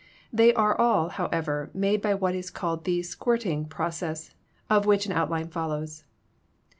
They are all, however, made by what is called the "squirting" process, of which an outline follows.